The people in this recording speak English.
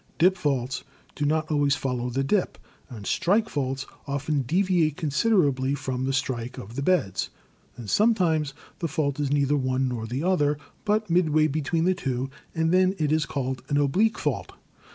Dip faults do not always follow the dip, and strike faults often deviate considerably from the strike of the beds; and sometimes the fault is neither one nor the other, but midway between the two, and then is called an oblique fault.